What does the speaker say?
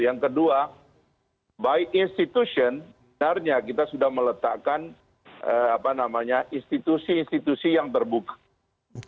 yang kedua by institution sebenarnya kita sudah meletakkan institusi institusi yang terbuka